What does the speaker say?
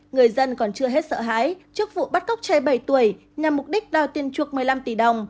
người dân còn chưa hết sợ hãi trước vụ bắt cóc trẻ bảy tuổi nhằm mục đích đòi tiền chuộc một mươi năm tỷ đồng